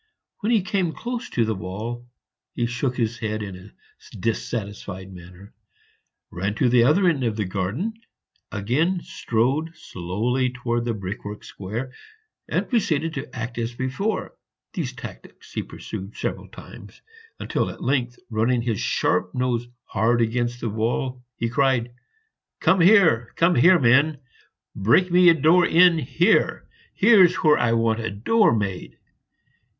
When he came close to the wall he shook his head in a dissatisfied manner, ran to the other end of the garden, again strode slowly towards the brickwork square, and proceeded to act as before. These tactics he pursued several times, until at length, running his sharp nose hard against the wall, he cried, "Come here, come here, men! break me a door in here! Here's where I want a door made!"